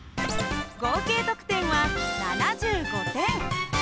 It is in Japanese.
合計得点は７５点。